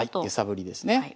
揺さぶりですね。